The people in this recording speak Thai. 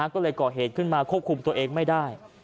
ก็เลยก่อเหตุขึ้นมาควบคุมตัวเองไม่ได้